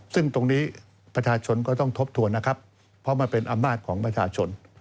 ซึ่งตรงนี้ประชาชนก็ต้องทบทวนนะครับเพราะมันเป็นอำนาจของประชาชน